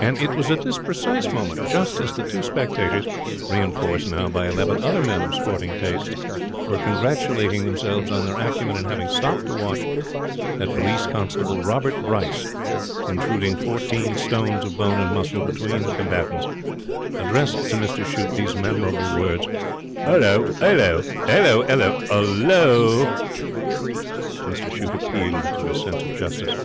And it was at this precise moment, just as the two spectators, reinforced now by eleven other men of sporting tastes, were congratulating themselves on their acumen in having stopped to watch, that Police Constable Robert Bryce, intruding fourteen stones of bone and muscle between the combatants, addressed to Mr Shute these memorable words: ''Ullo, 'ullo! 'Ullo, 'ullo, 'ul lo!' Mr Shute appealed to his sense of justice.